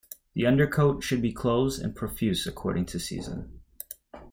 The undercoat should be close and profuse according to season.